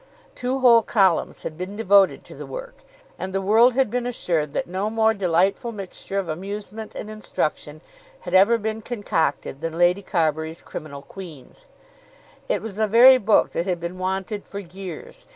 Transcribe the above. Two whole columns had been devoted to the work, and the world had been assured that no more delightful mixture of amusement and instruction had ever been concocted than Lady Carbury's "Criminal Queens." It was the very book that had been wanted for years.